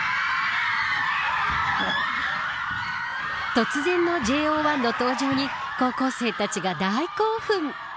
突然のＪＯ１の登場に高校生たちが大興奮。